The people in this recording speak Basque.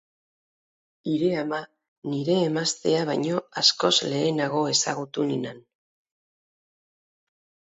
Hire ama nire emaztea baino askoz lehenago ezagutu ninan.